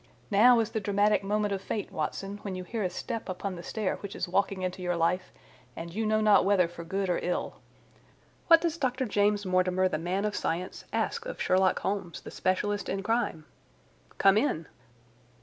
Now is the dramatic moment of fate, Watson, when you hear a step upon the stair which is walking into your life, and you know not whether for good or ill. What does Dr. James Mortimer, the man of science, ask of Sherlock Holmes, the specialist in crime? Come in!"